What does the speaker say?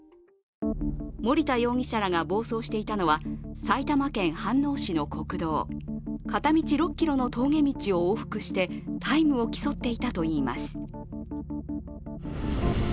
森田容疑者らが暴走していたのは埼玉県飯能市の国道、片道６ｋｍの峠道を往復してタイムを競っていたといいます。